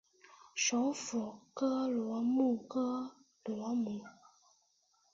首府戈罗姆戈罗姆。